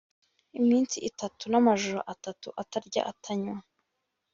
iminsi itatu n amajoro atatu atarya atanywa